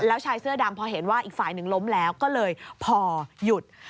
แล้วชายเสื้อดำพอเห็นว่าอีกฝ่ายหนึ่งล้มแล้วก็เลยพอหยุด